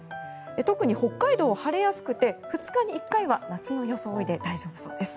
特に北海道は晴れやすくて２日に１回は夏の装いで大丈夫そうです。